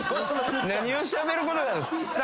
何をしゃべることがあるんすか。